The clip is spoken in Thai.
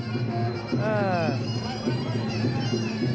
อ่า